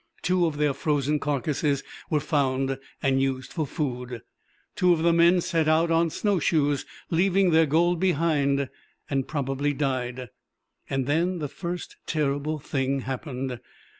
Two of their frozen carcasses were found and used for food. Two of the men set out on snowshoes, leaving their gold behind, and probably died. "Then the first terrible thing happened.